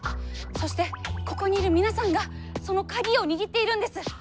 そしてここにいる皆さんがその鍵を握っているんです。